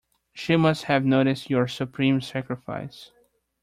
She must have noticed your supreme sacrifice.